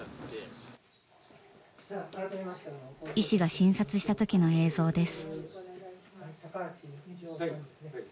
医師が診察した時の映像です。